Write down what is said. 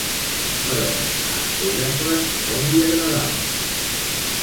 Però a Hèracles com li agradava?